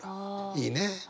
いいねえ。